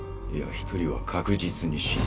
一人は確実に死ぬ。